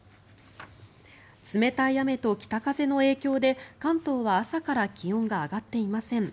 冷たい雨と北風の影響で、関東は朝から気温が上がっていません。